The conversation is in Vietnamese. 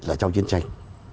là trong chiến tranh